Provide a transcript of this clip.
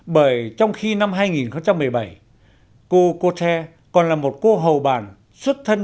bởi trong khi năm hai nghìn một mươi bảy cô cô thè còn là một cô hầu bàn